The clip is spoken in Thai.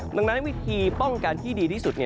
ดังนั้นวิธีป้องกันที่ดีที่สุด